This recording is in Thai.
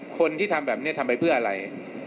คนที่ทำแบบนี้ทำไปเพื่ออะไร